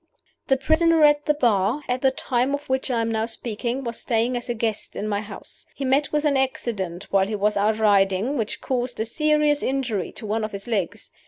"The prisoner at the bar, at the time of which I am now speaking, was staying as a guest in my house. He met with an accident while he was out riding which caused a serious injury to one of his legs.